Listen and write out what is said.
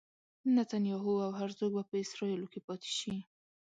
نتنیاهو او هرزوګ به په اسرائیلو کې پاتې شي.